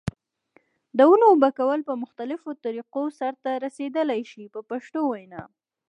د ونو اوبه کول په مختلفو طریقو سرته رسیدلای شي په پښتو وینا.